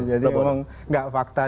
jadi emang gak fakta